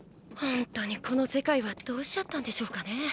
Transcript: ほんとにこの世界はどうしちゃったんでしょうかね。